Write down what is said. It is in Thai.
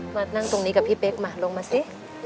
มานั่งตรงนี้กับพี่เป๊กมาลงมาสิ